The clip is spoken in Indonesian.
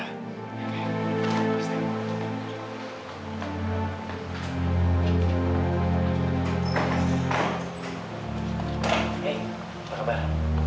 hei apa kabar